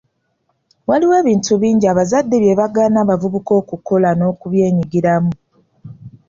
Waliwo ebintu bingi abazadde bye bagaana abavubuka okukola era nokwenyigiramu.